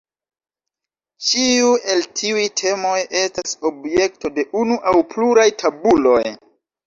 Ĉiu el tiuj temoj estas objekto de unu aŭ pluraj tabuloj.